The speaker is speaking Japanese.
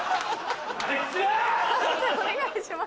判定お願いします。